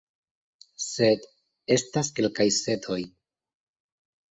Sed – estas kelkaj sed-oj.